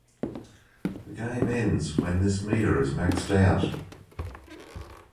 The game ends when this meter is maxed out.